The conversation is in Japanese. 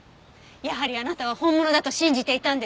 やはりあなたは本物だと信じていたんですね。